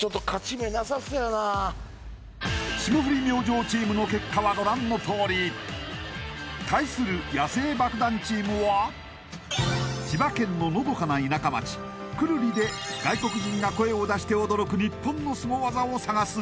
霜降り明星チームの結果はご覧のとおり対する野性爆弾チームは千葉県ののどかな田舎町久留里で外国人が声を出して驚く日本のスゴ技を探す！